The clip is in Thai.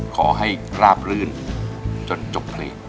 ขอให้ราบรื่นจนจบเพลง